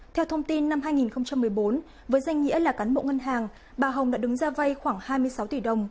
theo thông tin năm hai nghìn một mươi bốn với danh nghĩa là cán bộ ngân hàng bà hồng đã đứng ra vay khoảng hai mươi sáu tỷ đồng